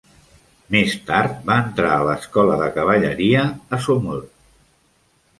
Més tard, va entrar a l'escola de cavalleria a Saumur.